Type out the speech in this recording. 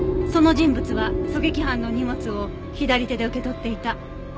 その人物は狙撃犯の荷物を左手で受け取っていた。